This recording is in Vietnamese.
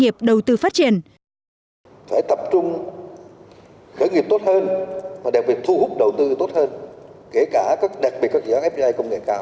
phải tập trung khởi nghiệp tốt hơn và đặc biệt thu hút đầu tư tốt hơn kể cả đặc biệt các dự án fdi công nghệ cao